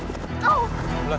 jangan lupa kita akan berjalan